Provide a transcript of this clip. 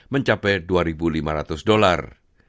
mencapai dua lima ratus dolar